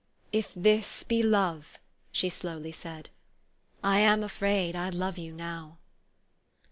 " If this be love," she slowly said, " I am afraid I love you now."